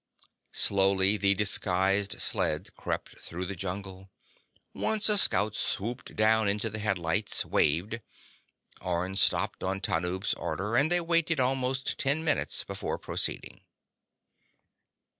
_ Slowly, the disguised sled crept through the jungle. Once, a scout swooped down into the headlights, waved. Orne stopped on Tanub's order, and they waited almost ten minutes before proceeding.